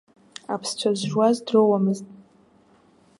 Аԥсцәа зжуаз дроуамызт.